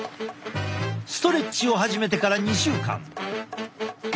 ストレッチを始めてから２週間。